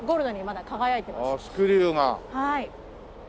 はい。